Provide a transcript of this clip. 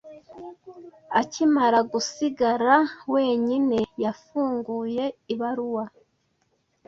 Akimara gusigara wenyine, yafunguye ibaruwa.